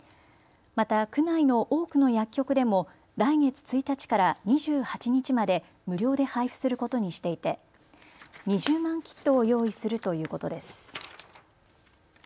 また区内の多くの薬局でも来月１日から２８日まで無料で配布することにしていて２０万キットを用意するということです。